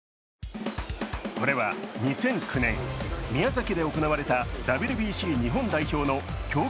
これは２００９年、宮崎で行われたＷＢＣ日本代表の強化